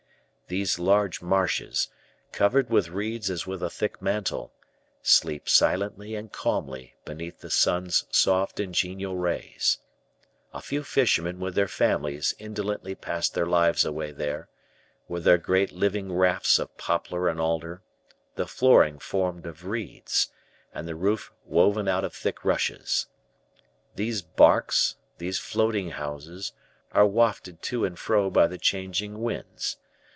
These large marshes, covered with reeds as with a thick mantle, sleep silently and calmly beneath the sun's soft and genial rays. A few fishermen with their families indolently pass their lives away there, with their great living rafts of poplar and alder, the flooring formed of reeds, and the roof woven out of thick rushes. These barks, these floating houses, are wafted to and fro by the changing winds.